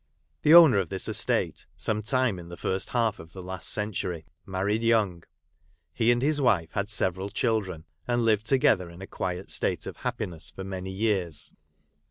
The owner of this estate, some time in the first half of the last century, married young ; he and his wife had several children, and lived together in a quiet state of happiness for many years.